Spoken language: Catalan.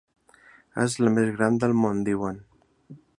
És la més gran del món, diuen.